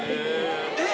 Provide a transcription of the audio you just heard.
えっ！